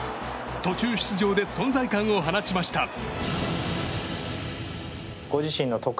途中出場で存在感を放ちました。